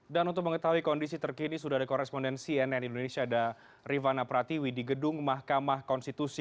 dan untuk mengetahui kondisi terkini sudah ada korespondensi nn indonesia dan rivana pratiwi di gedung mahkamah konstitusi